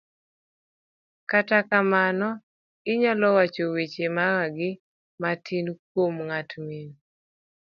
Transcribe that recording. kata kamano, inyalo wacho weche mamagi matin kuom ng'at mind